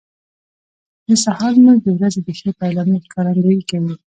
د سهار لمونځ د ورځې د ښې پیلامې ښکارندویي کوي.